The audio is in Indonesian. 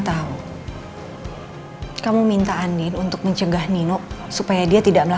tapi nino tahu tidak ya